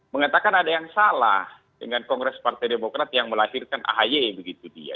mengatakan ada yang salah dengan kongres partai demokrat yang melahirkan ahy begitu dia